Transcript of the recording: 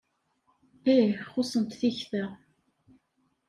Ih, xuṣṣent tikta.